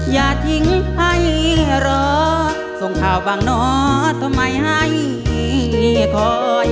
อย่าทิ้งให้รอทรงคราวบ้างน้อต้องทำไมให้เหนียกรอย